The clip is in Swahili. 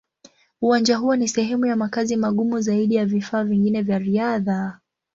Uwanja huo ni sehemu ya makazi magumu zaidi ya vifaa vingine vya riadha.